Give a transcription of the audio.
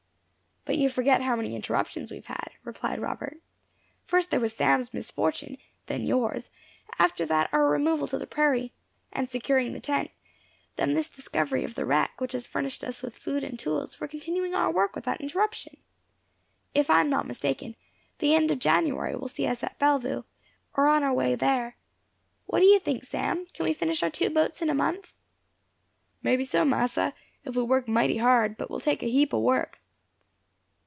"But you forget how many interruptions we have had," replied Robert. "First, there was Sam's misfortune, then yours; after that, our removal to the prairie, and securing the tent; then this discovery of the wreck, which has furnished us with food and tools for continuing our work without interruption. If I am not mistaken, the end of January will see us at Bellevue, or on our way there. What do you think, Sam can we finish our two boats in a month?" "May be so, massa, if we work mighty hard; but it will take a heap o' work."